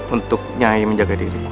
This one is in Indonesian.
untuk nyai menjaga diri